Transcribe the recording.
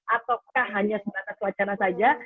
ataukah hanya sebatas wacana saja